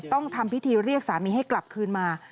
ต้องทำพิธีเรียกสามีให้กลับคืนมา